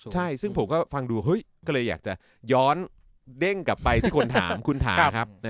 ใช่ซึ่งผมก็ฟังดูเฮ้ยก็เลยอยากจะย้อนเด้งกลับไปที่คนถามคุณถามครับ